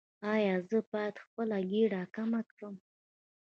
ایا زه باید خپل ګیډه کمه کړم؟